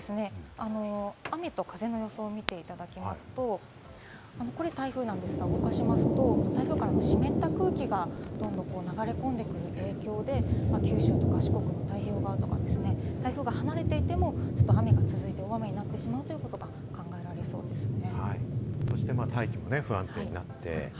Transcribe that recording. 雨と風の予想を見ていただきますと、これ台風なんですが、動かしますと、台風の方から湿った空気がどんどんと流れ込んでくる影響で、九州とか四国の太平洋側とか、台風が離れていても雨が続いて大雨になってしまうことが考えられそうですね。